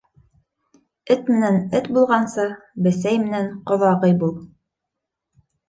Эт менән эт булғансы, бесәй менән ҡоҙағый бул.